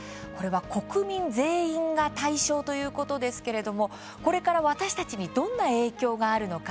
国民全員が対象ということですがこれから私たちにどんな影響があるのか。